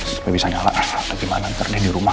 supaya bisa nyala bagaimana nanti ada di rumah